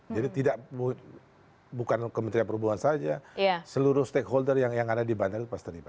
jadi tidak bukan kementerian perhubungan saja seluruh stakeholder yang ada di bandara itu pasti terlibat